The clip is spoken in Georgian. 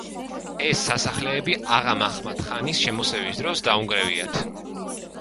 ეს სასახლეები აღა-მაჰმად-ხანის შემოსევის დროს დაუნგრევიათ.